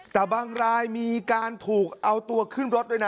แต่บางรายมีการถูกเอาตัวขึ้นรถด้วยนะ